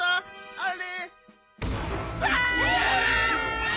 あれ？